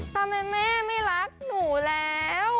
ทำไมแม่ไม่รักหนูแล้ว